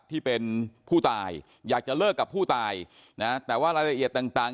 ที่เป็นผู้ตายอยากจะเลิกกับผู้ตายนะแต่ว่ารายละเอียดต่าง